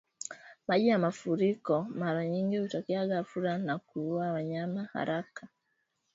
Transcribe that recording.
maji ya mafuriko Mara nyingi hutokea ghafla na kuua wanyama haraka Unaathiri wanyama